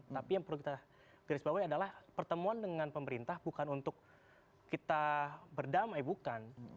tapi yang perlu kita garis bawah adalah pertemuan dengan pemerintah bukan untuk kita berdamai bukan